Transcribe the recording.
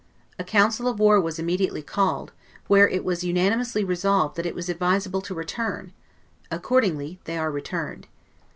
A Council of War was immediately called, where it was unanimously resolved, that it was ADVISABLE to return; accordingly they are returned.